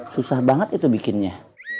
susah banget itu bikinnya